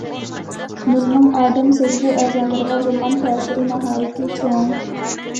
نۇرنىڭ ئادەم سەزگۈ ئەزالىرىغا بولغان تەسىرى ناھايىتى چوڭ.